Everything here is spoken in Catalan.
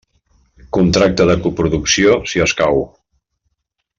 Contracte de coproducció, si escau.